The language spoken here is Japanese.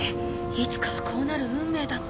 いつかはこうなる運命だったんだ。